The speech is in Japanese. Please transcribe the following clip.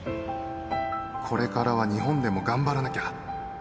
これからは日本でも頑張らなきゃ。